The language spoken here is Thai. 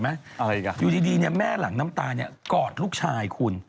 แหละอย่างนี้แม่หลังน้ำตาโกรธลูกชายคุณ